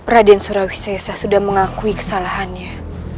raden surawisya saya sudah mengakui kesalahannya